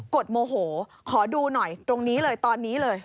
ดโมโหขอดูหน่อยตรงนี้เลยตอนนี้เลย